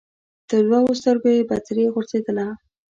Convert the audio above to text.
تر دوو سترګو یې بڅري غورځېدله